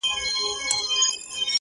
مخامخ وتراشل سوي بت ته ناست دی_